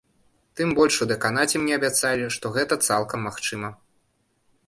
Тым больш у дэканаце мне абяцалі, што гэта цалкам магчыма.